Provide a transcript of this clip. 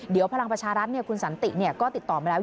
เดี๋ยวพลังประชารัฐคุณสันติก็ติดต่อมาแล้ว